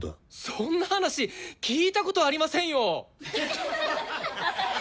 そんな話聞いたことありませんよ！